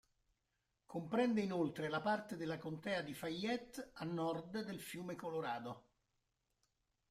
Comprende inoltre la parte della contea di Fayette a nord del fiume Colorado.